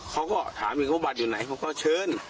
เขาก็ถามอยู่เขาบัตรอยู่ไหนผมก็เชิญ